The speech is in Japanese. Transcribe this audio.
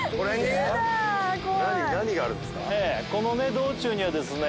道中にはですね